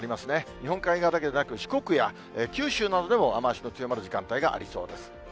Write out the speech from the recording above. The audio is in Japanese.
日本海側だけでなく、四国や九州などでも雨足の強まる時間帯がありそうです。